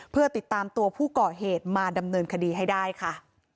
เพื่อติดตามตัวผู้ก่อเหตุมาดำเนินคดีให้ได้ค่ะ